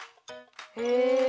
へえ！